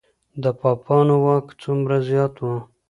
د پاپانو واک څومره زیات و؟